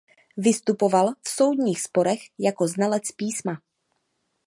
Vystupoval v soudních sporech jako znalec písma.